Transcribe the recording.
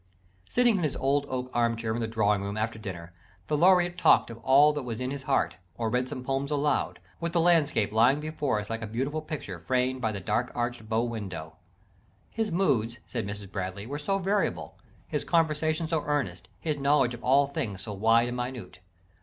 _ Sitting in his old oak armchair in the drawing room after dinner, the Laureate "talked of all that was in his heart, or read some poem aloud, with the landscape lying before us like a beautiful picture framed by the dark arched bow window. His moods," says Mrs. Bradley, "were so variable, his conversation so earnest, his knowledge of all things so wide and minute!"